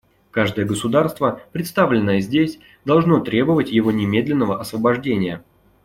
Каждое государство, представленное здесь, должно требовать его немедленного освобождения.